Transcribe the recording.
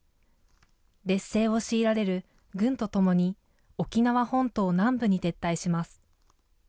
劣勢を強いられる軍と共に、沖縄本島南部に撤退します。